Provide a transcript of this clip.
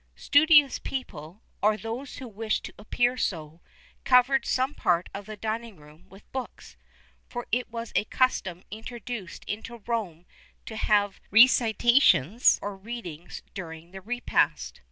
[XXXI 8] Studious people, or those who wished to appear so, covered some part of the dining room with books; for it was a custom introduced into Rome to have recitations or readings during the repast.